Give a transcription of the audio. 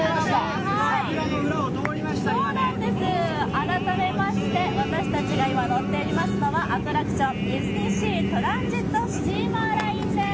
改めまして、私たちが今乗っていますのはアトラクション、ディズニーシー・トランジットスチーマーラインです。